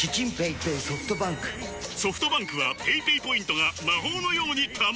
ソフトバンクはペイペイポイントが魔法のように貯まる！